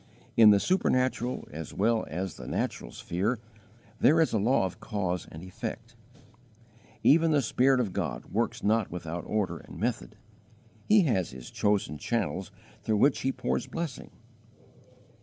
In the supernatural as well as the natural sphere, there is a law of cause and effect. Even the Spirit of God works not without order and method; He has His chosen channels through which He pours blessing.